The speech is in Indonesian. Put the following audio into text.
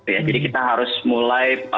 jadi kita harus mulai